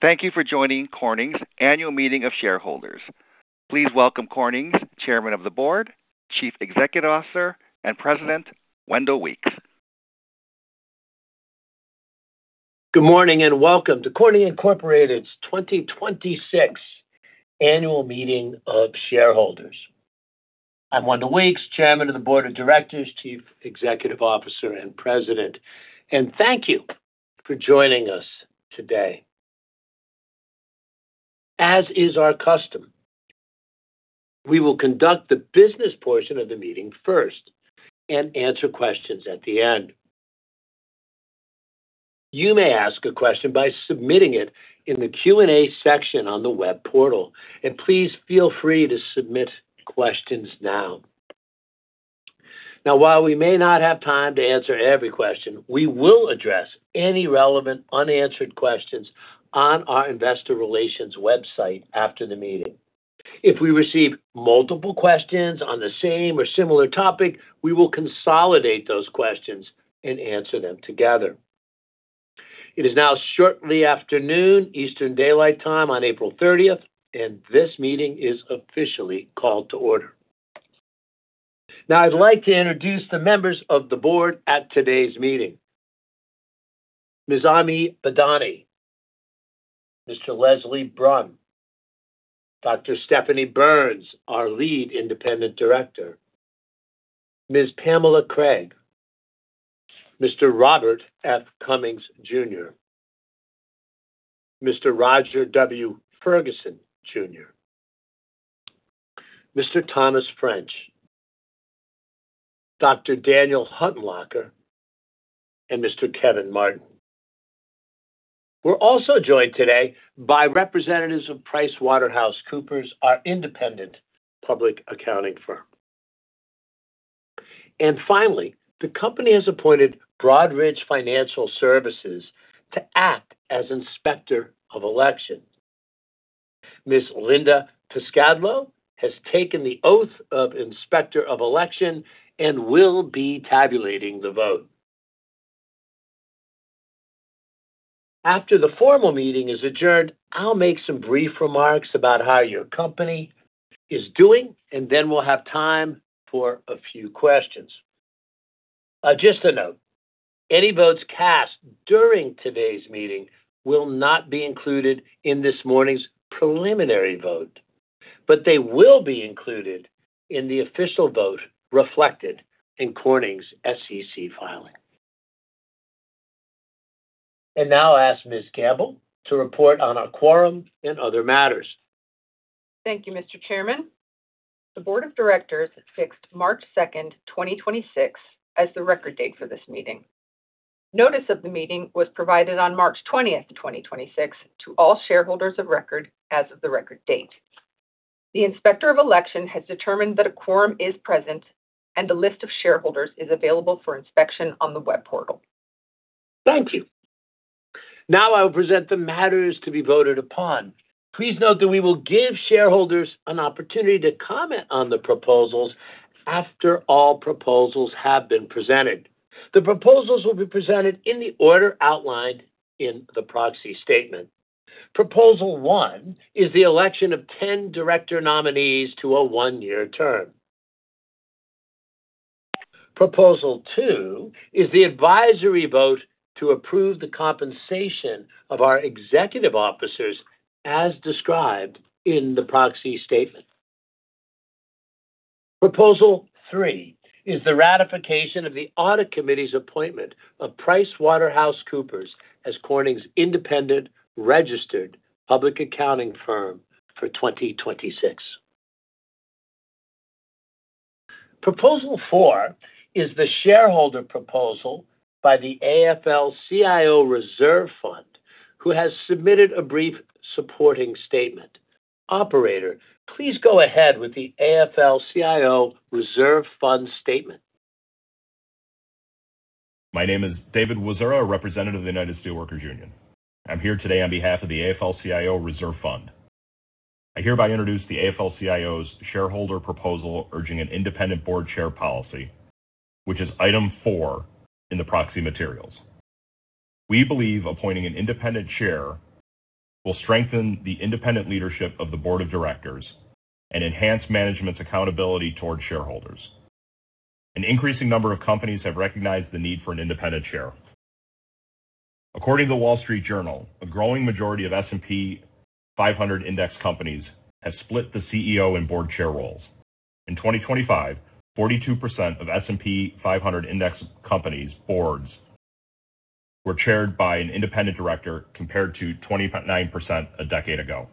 Thank you for joining Corning's Annual Meeting of Shareholders. Please welcome Corning's Chairman of the Board, Chief Executive Officer, and President, Wendell Weeks. Good morning and welcome to Corning Incorporated's 2026 Annual Meeting of Shareholders. I'm Wendell Weeks, Chairman of the Board of Directors, Chief Executive Officer, and President, and thank you for joining us today. As is our custom, we will conduct the business portion of the meeting first and answer questions at the end. You may ask a question by submitting it in the Q&A section on the web portal, and please feel free to submit questions now. While we may not have time to answer every question, we will address any relevant unanswered questions on our investor relations website after the meeting. If we receive multiple questions on the same or similar topic, we will consolidate those questions-and-answer them together. It is now shortly after noon Eastern Daylight Time on April thirtieth, and this meeting is officially called to order. Now I'd like to introduce the members of the Board at today's meeting. Ms. Ami Badani, Mr. Leslie Brun, Dr. Stephanie Burns, our Lead Independent Director, Ms. Pamela Craig, Mr. Robert F. Cummings Jr., Mr. Roger W. Ferguson Jr., Mr. Thomas French, Dr. Daniel Hutmacher, and Mr. Kevin Martin. We're also joined today by representatives of PricewaterhouseCoopers, our independent public accounting firm. Finally, the company has appointed Broadridge Financial Solutions to act as Inspector of Election. Ms. Linda Piscitello has taken the oath of Inspector of Election and will be tabulating the vote. After the formal meeting is adjourned, I'll make some brief remarks about how your company is doing, and then we'll have time for a few questions. Just a note, any votes cast during today's meeting will not be included in this morning's preliminary vote, but they will be included in the official vote reflected in Corning's SEC filing. Now I ask Ms. Gambol to report on our quorum and other matters. Thank you, Mr. Chairman. The Board of Directors fixed March 2, 2026 as the record date for this meeting. Notice of the meeting was provided on March 20, 2026 to all shareholders of record as of the record date. The Inspector of Election has determined that a quorum is present, and a list of shareholders is available for inspection on the web portal. Thank you. Now I will present the matters to be voted upon. Please note that we will give shareholders an opportunity to comment on the proposals after all proposals have been presented. The proposals will be presented in the order outlined in the proxy statement. Proposal one is the Election of 10 director nominees to a one-year term. Proposal two is the advisory vote to approve the compensation of our executive officers as described in the proxy statement. Proposal three is the ratification of the audit committee's appointment of PricewaterhouseCoopers as Corning's independent registered public accounting firm for 2026. Proposal four is the shareholder proposal by the AFL-CIO Reserve Fund, who has submitted a brief supporting statement. Operator, please go ahead with the AFL-CIO Reserve Fund statement. My name is David Wasiura, Representative of the United Steelworkers Union. I'm here today on behalf of the AFL-CIO Reserve Fund. I hereby introduce the AFL-CIO's shareholder proposal urging an independent board chair policy, which is Item four in the proxy materials. We believe appointing an Independent Chair will strengthen the independent leadership of the Board of Directors and enhance management's accountability towards shareholders. An increasing number of companies have recognized the need for an independent chair. According to The Wall Street Journal, a growing majority of S&P 500 index companies have split the CEO and board chair roles. In 2025, 42% of S&P 500 index companies' Boards were chaired by an Independent Director, compared to 29% a decade ago.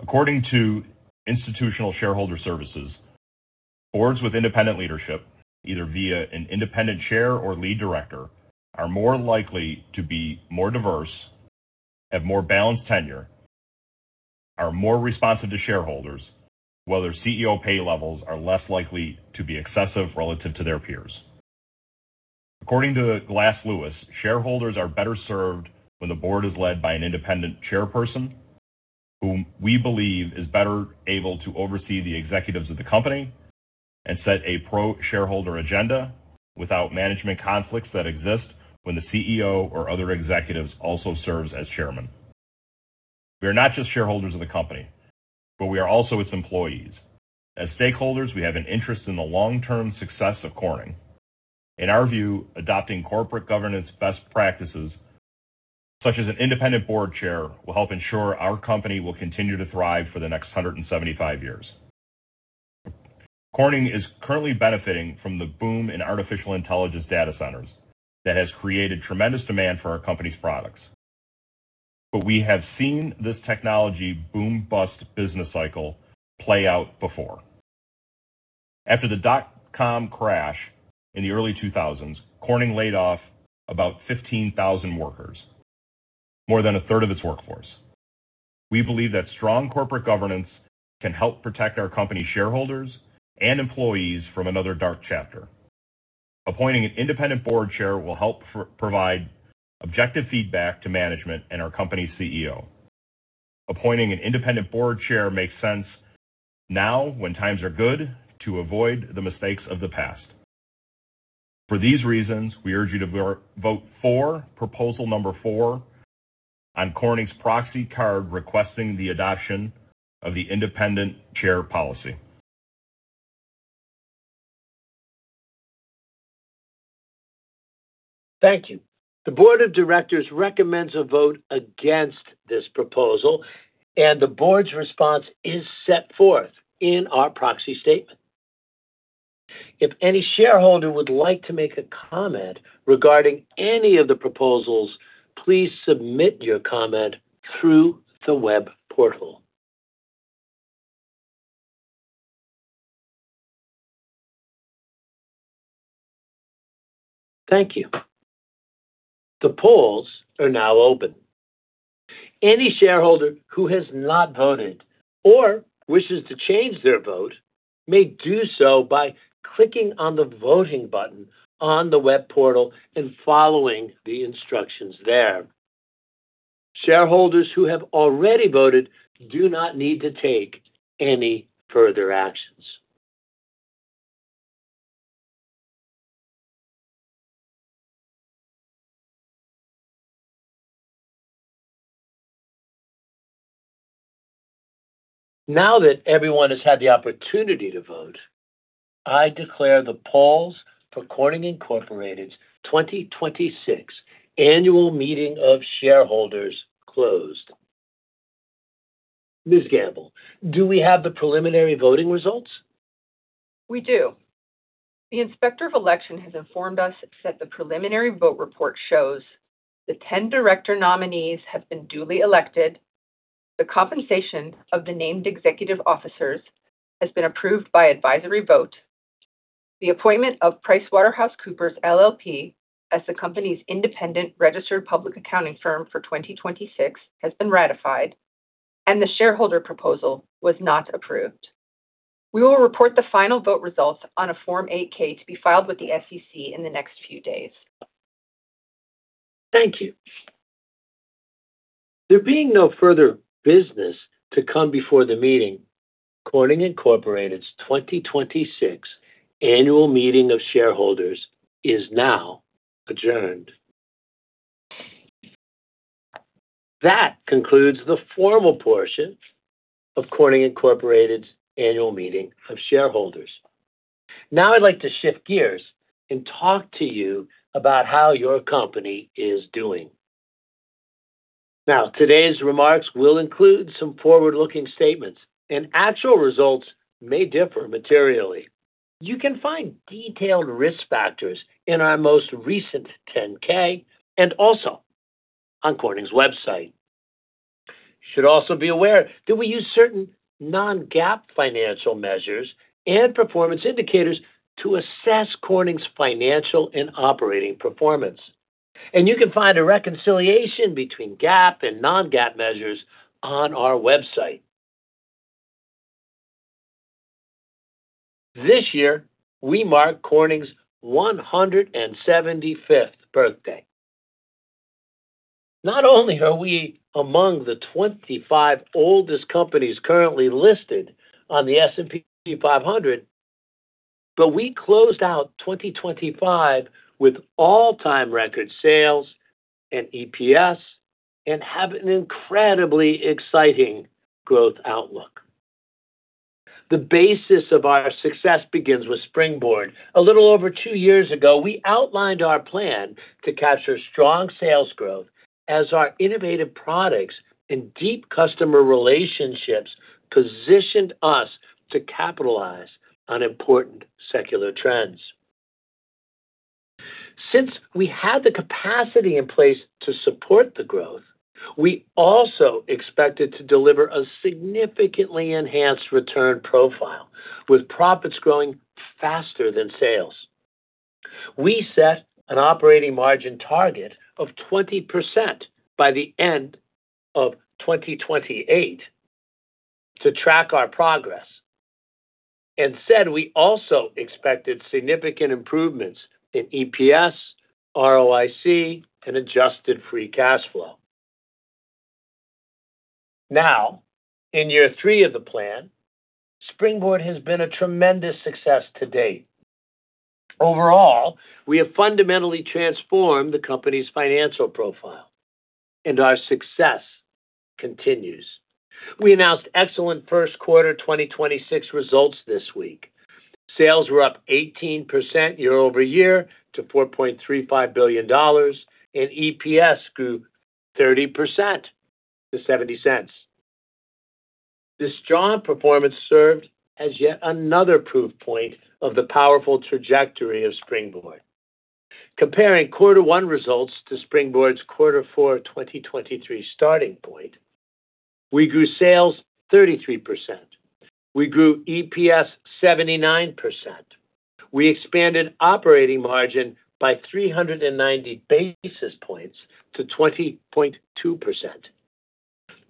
According to Institutional Shareholder Services, Boards with independent leadership, either via an Independent Chair or Lead Director, are more likely to be more diverse, have more balanced tenure, are more responsive to shareholders. While their CEO pay levels are less likely to be excessive relative to their peers. According to Glass Lewis, shareholders are better served when the Board is led by an Independent Chairperson, whom we believe is better able to oversee the executives of the company and set a pro-shareholder agenda without management conflicts that exist when the CEO or other executives also serves as chairman. We are not just shareholders of the company, but we are also its employees. As stakeholders, we have an interest in the long-term success of Corning. In our view, adopting corporate governance best practices, such as an independent board chair, will help ensure our company will continue to thrive for the next 175 years. Corning is currently benefiting from the boom in artificial intelligence data centers that has created tremendous demand for our company's products. We have seen this technology boom-bust business cycle play out before. After the dot-com crash in the early 2000s, Corning laid off about 15,000 workers, more than 1.3 of its workforce. We believe that strong corporate governance can help protect our company shareholders and employees from another dark chapter. Appointing an Independent Board Chair will help provide objective feedback to management and our company CEO. Appointing an independent board chair makes sense now when times are good to avoid the mistakes of the past. For these reasons, we urge you to vote for Proposal number four on Corning's proxy card, requesting the adoption of the Independent Chair policy. Thank you. The Board of Directors recommends a vote against this proposal, and the Board's response is set forth in our proxy statement. If any shareholder would like to make a comment regarding any of the proposals, please submit your comment through the web portal. Thank you. The polls are now open. Any shareholder who has not voted or wishes to change their vote may do so by clicking on the voting button on the web portal and following the instructions there. Shareholders who have already voted do not need to take any further actions. Now that everyone has had the opportunity to vote, I declare the polls for Corning Incorporated's 2026 Annual Meeting of Shareholders closed. Ms. Gambol, do we have the preliminary voting results? We do. The Inspector of Election has informed us that the preliminary vote report shows the 10 Director nominees have been duly elected, the compensation of the named Executive Officers has been approved by advisory vote, the appointment of PricewaterhouseCoopers LLP as the company's independent registered public accounting firm for 2026 has been ratified, and the shareholder proposal was not approved. We will report the final vote results on a Form 8-K to be filed with the SEC in the next few days. Thank you. There being no further business to come before the meeting, Corning Incorporated's 2026 annual meeting of shareholders is now adjourned. That concludes the formal portion of Corning Incorporated's Annual Meeting of shareholders. Now, I'd like to shift gears and talk to you about how your company is doing. Now, today's remarks will include some forward-looking statements, and actual results may differ materially. You can find detailed Risk Factors in our most recent 10-K and also on Corning's website. You should also be aware that we use certain non-GAAP financial measures and performance indicators to assess Corning's financial and operating performance. You can find a reconciliation between GAAP and non-GAAP measures on our website. This year, we mark Corning's 175th Birthday. Not only are we among the 25 oldest companies currently listed on the S&P 500, but we closed out 2025 with all-time record sales and EPS and have an incredibly exciting growth outlook. The basis of our success begins with Springboard. A little over two years ago, we outlined our plan to capture strong sales growth as our innovative products and deep customer relationships positioned us to capitalize on important secular trends. Since we had the capacity in place to support the growth, we also expected to deliver a significantly enhanced return profile, with profits growing faster than sales. We set an operating margin target of 20% by the end of 2028 to track our progress. We said we also expected significant improvements in EPS, ROIC, and adjusted free cash flow. Now, in year three of the plan, Springboard has been a tremendous success to date. Overall, we have fundamentally transformed the company's financial profile, and our success continues. We announced excellent Q1 2026 results this week. Sales were up 18% year-over-year to $4.35 billion, and EPS grew 30% to $0.70. This strong performance served as yet another proof point of the powerful trajectory of Springboard. Comparing Q1 results to Springboard's Q4 2023 starting point, we grew sales 33%. We grew EPS 79%. We expanded operating margin by 390 basis points to 20.2%,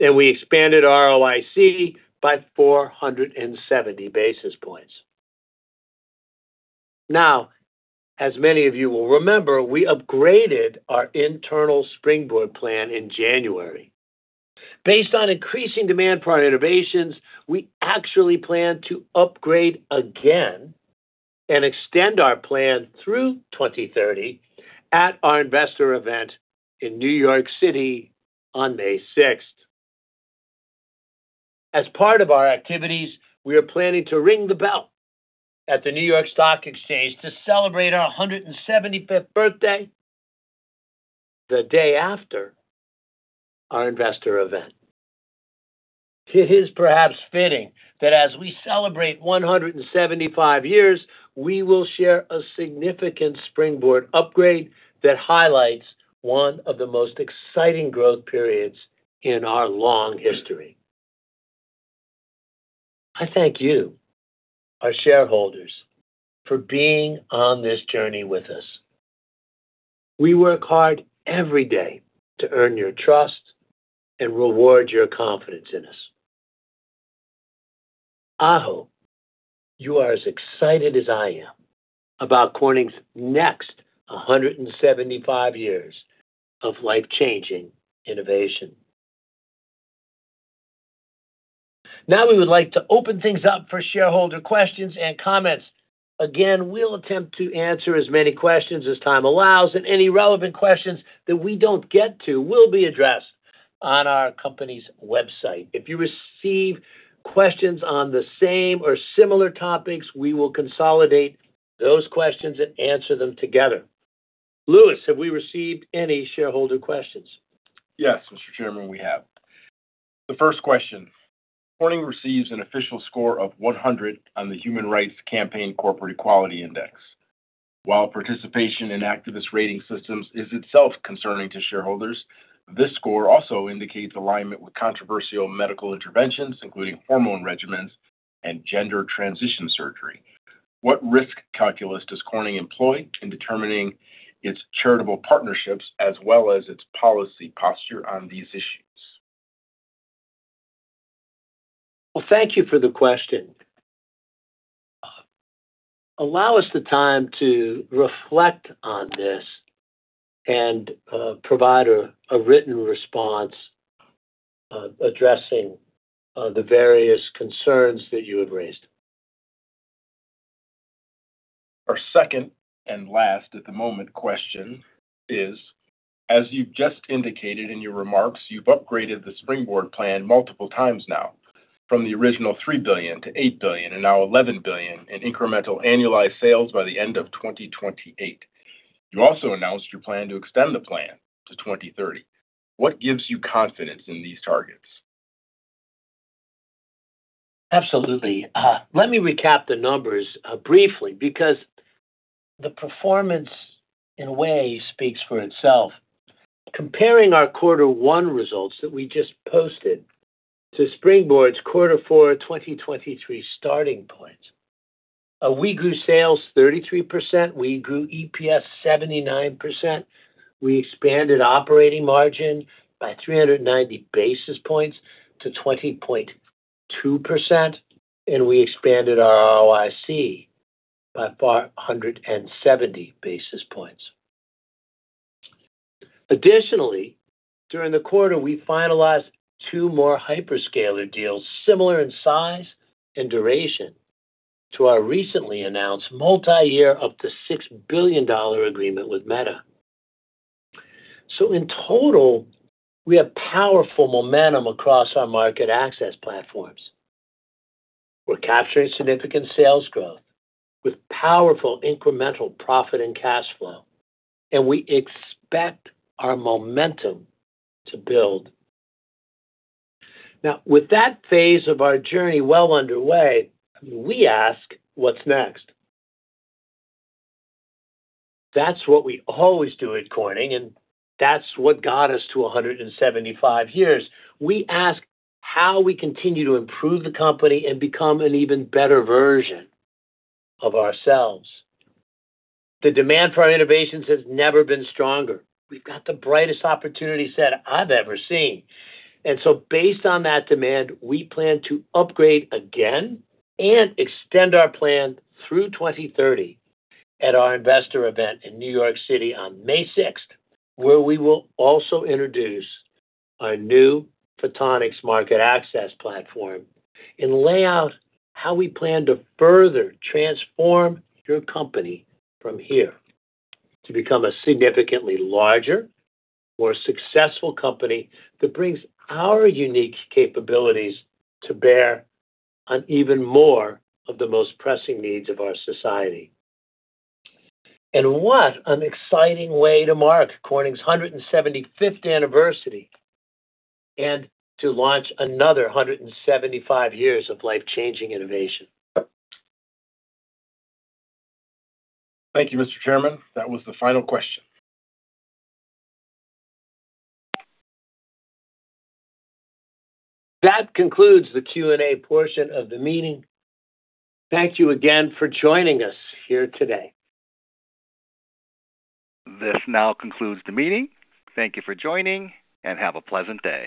and we expanded ROIC by 470 basis points. As many of you will remember, we upgraded our internal Springboard plan in January. Based on increasing demand for our innovations, we actually plan to upgrade again and extend our plan through 2030 at our investor event in New York City on May 6. As part of our activities, we are planning to ring the bell at the New York Stock Exchange to celebrate our 175th Birthday the day after our investor event. It is perhaps fitting that as we celebrate 175 years, we will share a significant Springboard upgrade that highlights one of the most exciting growth periods in our long history. I thank you, our shareholders, for being on this journey with us. We work hard every day to earn your trust and reward your confidence in us. I hope you are as excited as I am about Corning's next 175 years of life-changing innovation. Now we would like to open things up for shareholder questions and comments. Again, we'll attempt to answer as many questions as time allows, and any relevant questions that we don't get to will be addressed on our company's website. If you receive questions on the same or similar topics, we will consolidate those questions-and-answer them together. Lewis, have we received any shareholder questions? Yes, Mr. Chairman, we have. The first question, Corning receives an official score of 100 on the Human Rights Campaign Corporate Equality Index. While participation in activist rating systems is itself concerning to shareholders, this score also indicates alignment with controversial medical interventions, including hormone regimens and gender transition surgery. What risk calculus does Corning employ in determining its charitable partnerships as well as its policy posture on these issues? Well, thank you for the question. Allow us the time to reflect on this and provide a written response, addressing the various concerns that you have raised. Our second and last, at the moment, question is, as you've just indicated in your remarks, you've upgraded the Springboard plan multiple times now, from the original $3 billion-$8 billion and now $11 billion in incremental annualized sales by the end of 2028. You also announced your plan to extend the plan to 2030. What gives you confidence in these targets? Absolutely. Let me recap the numbers briefly because the performance, in a way, speaks for itself. Comparing our quarter one results that we just posted to Springboard's quarter four 2023 starting point, we grew sales 33%, we grew EPS 79%, we expanded operating margin by 390 basis points to 20.2%, and we expanded our ROIC by 470 basis points. Additionally, during the quarter, we finalized two more hyperscaler deals similar in size and duration to our recently announced multi-year up to $6 billion agreement with Meta. In total, we have powerful momentum across our market access platforms. We're capturing significant sales growth with powerful incremental profit and cash flow, and we expect our momentum to build. With that phase of our journey well underway, we ask, What's next? That's what we always do at Corning, and that's what got us to 175 years. We ask how we continue to improve the company and become an even better version of ourselves. The demand for our innovations has never been stronger. We've got the brightest opportunity set I've ever seen. Based on that demand, we plan to upgrade again and extend our plan through 2030 at our investor event in New York City on May 6, where we will also introduce our new Photonics Market-Access Platform and lay out how we plan to further transform your company from here to become a significantly larger, more successful company that brings our unique capabilities to bear on even more of the most pressing needs of our society. What an exciting way to mark Corning's 175th Anniversary and to launch another 175 years of life-changing innovation. Thank you, Mr. Chairman. That was the final question. That concludes the Q&A portion of the meeting. Thank you again for joining us here today. This now concludes the meeting. Thank you for joining, and have a pleasant day.